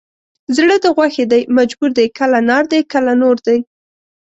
زړه د غوښې دی مجبور دی کله نار دی کله نور دی